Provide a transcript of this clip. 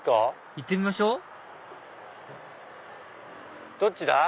行ってみましょどっちだ？